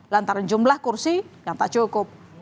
lantaran jumlah kursi yang tak cukup